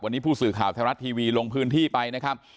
วันนี้ผู้สื่อข่าวไทยรัฐทีวีลงพื้นที่ไปนะครับ